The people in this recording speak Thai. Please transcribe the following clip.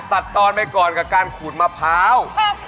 ตอนไปก่อนกับการขูดมะพร้าว